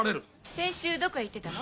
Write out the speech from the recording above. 先週どこへ行ってたの？